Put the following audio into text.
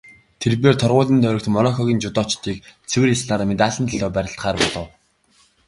Тэр бээр торгуулийн тойрогт Мороккогийн жүдочийг цэвэр ялснаар медалийн төлөө барилдахаар болов.